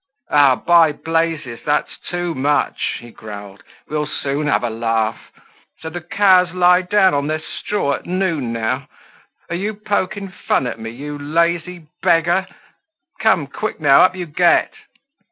"Ah! by blazes, that's too much," he growled, "we'll soon have a laugh. So the cows lie down on their straw at noon now! Are you poking fun at me, you lazy beggar? Come, quick now, up you get!"